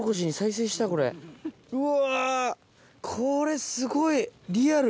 うわこれすごい！